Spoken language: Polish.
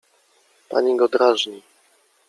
Pani go drażni.